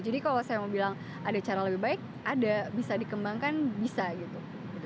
jadi kalau saya mau bilang ada cara lebih baik ada bisa dikembangkan bisa gitu